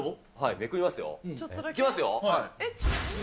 めくりますよ、いきますよ。